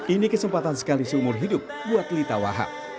ini kesempatan sekali seumur hidup buat lita wahab